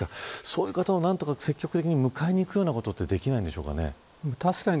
そういう方を積極的に迎えに行くようなことはできないんですかね。